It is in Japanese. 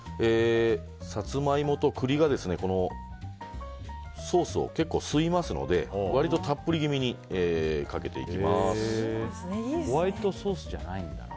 サツマイモと栗がソースを結構吸いますので割とたっぷり気味にホワイトソースじゃないんだな。